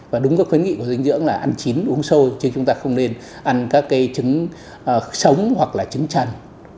và đúng là khuyến nghị của dinh dưỡng là ăn chín uống sôi chứ chúng ta không nên ăn các cái chứng sống hoặc là chứng chăn